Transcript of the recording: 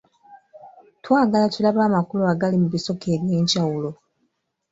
Twagala tulabe amakulu agali mu bisoko eby’enjawulo.